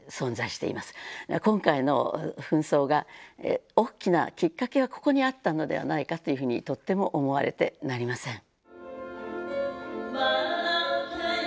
今回の紛争が大きなきっかけはここにあったのではないかというふうにとっても思われてなりません。